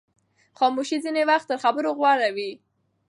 خاموشي ځینې وخت تر خبرو غوره وي.